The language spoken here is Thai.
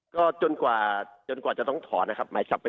ก็จนกว่า